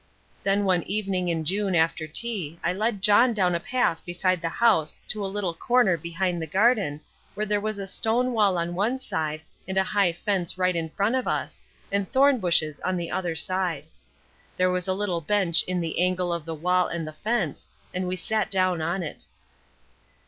Then one evening in June after tea I led John down a path beside the house to a little corner behind the garden where there was a stone wall on one side and a high fence right in front of us, and thorn bushes on the other side. There was a little bench in the angle of the wall and the fence, and we sat down on it.